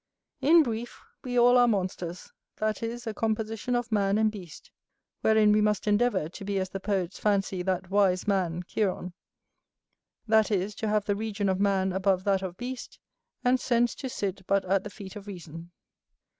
In brief, we all are monsters; that is, a composition of man and beast: wherein we must endeavour to be as the poets fancy that wise man, Chiron; that is, to have the region of man above that of beast, and sense to sit but at the feet of reason.